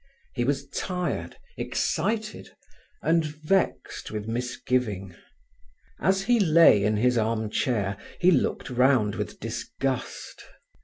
He was tired, excited, and vexed with misgiving. As he lay in his arm chair, he looked round with disgust.